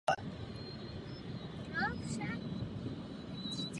Scénář vznikal tři roky.